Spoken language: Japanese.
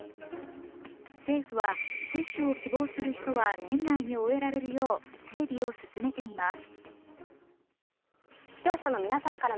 政府は接種を希望する人は年内に終えられるよう整備を進めています。